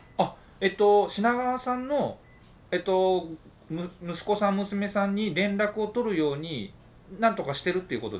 えと品川さんの息子さん娘さんに連絡を取るように何とかしてるっていうことですか？